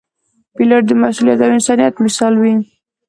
پیلوټ د مسؤلیت او انسانیت مثال وي.